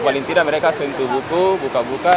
paling tidak mereka sentuh buku buka buka